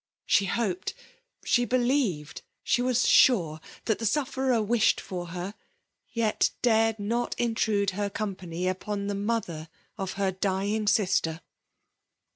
She hoped — she believed— she was sure that the sufferer wished for her; yet dared' not intrude her company upon the mother of her dying sister.